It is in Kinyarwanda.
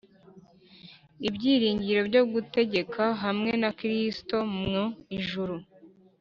Ibyiringiro Byo Gutegeka Hamwe Na Kristo Mu Ijuru